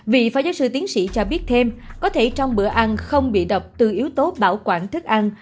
vị phó giáo sư tiến sĩ cho biết thêm có thể trong bữa ăn không bị độc từ yếu tố bảo quản thức ăn